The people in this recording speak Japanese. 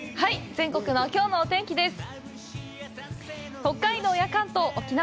全国のきょうのお天気です。